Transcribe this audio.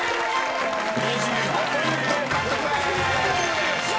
［２５ポイント獲得でーす］